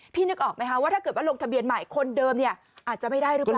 นึกออกไหมคะว่าถ้าเกิดว่าลงทะเบียนใหม่คนเดิมเนี่ยอาจจะไม่ได้หรือเปล่า